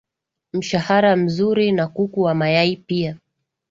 mshahara mzuri Na kuku wa mayai pia